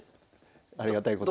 ありがたいことに。